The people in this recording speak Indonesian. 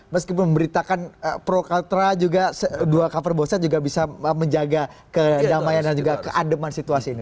meskipun memberitakan pro kaltra juga dua cover boste juga bisa menjaga kedamaian dan juga keademan situasi ini